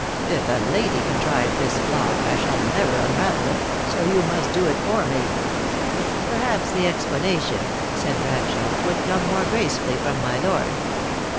If a lady contrived this plot, I shall never unravel it ; so you must do it for me." " Perhaps the explanation," said Bradshawe, " would come more gracefully from my lord."